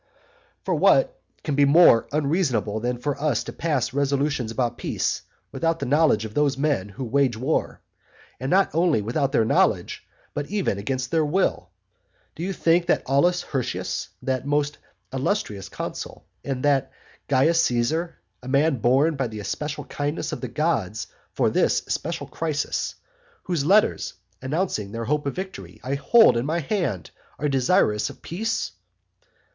IV. For what can be more unreasonable than for us to pass resolutions about peace without the knowledge of those men who wage the war? And not only without their knowledge, but even against their will? Do you think that Aulus Hirtius, that most illustrious consul, and that Carus Caesar, a man born by the especial kindness of the gods for this especial crisis, whose letters, announcing their hope of victory, I hold in my hand, are desirous of peace?